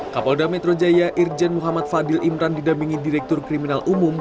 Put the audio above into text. kapolda metro jaya irjen muhammad fadil imran didampingi direktur kriminal umum